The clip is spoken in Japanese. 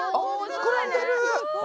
膨らんでる！